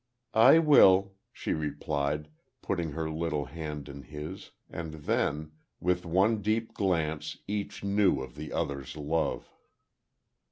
"I will," she replied, putting her little hand in his, and then, with one deep glance, each knew of the other's love.